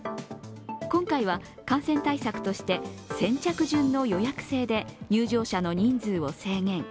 今回は感染対策として先着順の予約制で入場者の人数を制限。